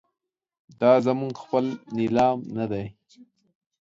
دا زموږ خپل نیلام نه دی.